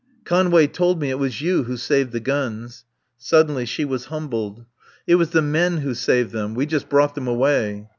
"Conway told me it was you who saved the guns." Suddenly she was humbled. "It was the men who saved them. We just brought them away."